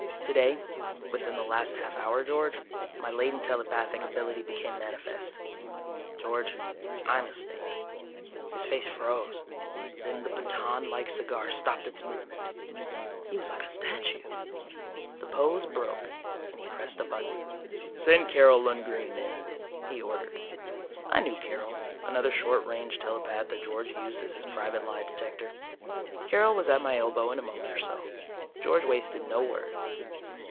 "Today, within the last half hour, George, my latent telepathic ability became manifest. George, I'm a snake." His face froze. Then the batonlike cigar stopped its movement. He was like a statue. The pose broke, and he pressed a button. "Send Carol Lundgren in," he ordered. I knew Carol, another short range telepath that George used as his private lie detector. Carol was at my elbow in a moment or so. George wasted no words.